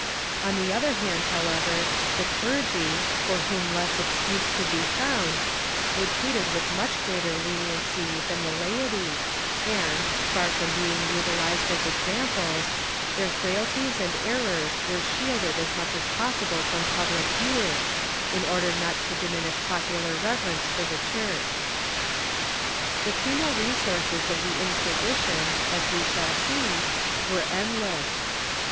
On the other hand, however, the clergy, for whom less excuse could be found, were treated with much greater leniency than the laity and, far from being utilized as examples, their frailties and errors were shielded as much as possible from public view, in order not to diminish popular reverence for the Church. The penal resources of the Inquisition, as we shall see, were endless.